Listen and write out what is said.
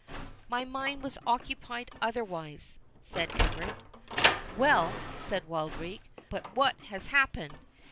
"My mind was occupied otherwise," said Everard. "Well," said Wildrake, "but what has happened?